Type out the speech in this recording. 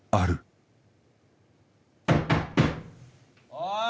・おい！